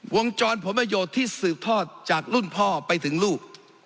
วงจรผลประโยชน์ที่สืบทอดจากรุ่นพ่อไปถึงลูก